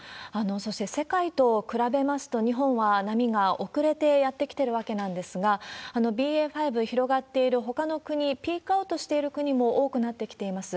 そして、世界と比べますと、日本は波が遅れてやってきてるわけなんですが、ＢＡ．５、広がっているほかの国、ピークアウトしている国も多くなってきています。